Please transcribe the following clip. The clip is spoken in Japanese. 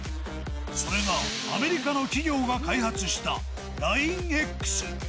それが、アメリカの企業が開発した、ＬＩＮＥーＸ。